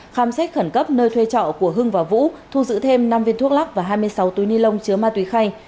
khám xét khẩn cấp nơi thuê trọ của hưng và vũ thu giữ thêm năm viên thuốc lắc và hai mươi sáu túi ni lông chứa ma túy khay